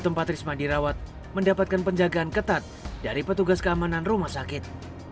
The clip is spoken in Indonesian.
tempat risma dirawat mendapatkan penjagaan ketat dari petugas keamanan rumah sakit